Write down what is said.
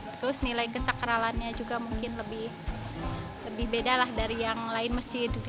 terus nilai kesakralannya juga mungkin lebih beda lah dari yang lain masjid